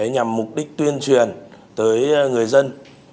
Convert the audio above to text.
nhằm mục đích tuyên truyền tới người dân